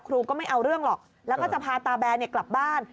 ก็ไม่เอาเรื่องหรอกแล้วก็จะพาตาแบนกลับบ้าน